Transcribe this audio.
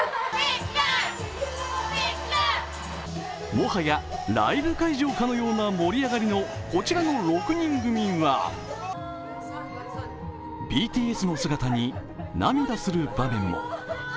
もはやライブ会場かのような盛り上がりのこちらの６人組はＢＴＳの姿に涙する場面も。